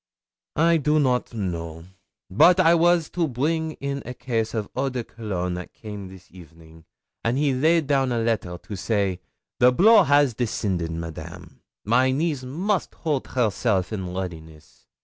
'I do not know. Bote I was to bring in a case of eau de cologne that came this evening, and he laid down a letter and say: "The blow has descended, Madame! My niece must hold herself in readiness."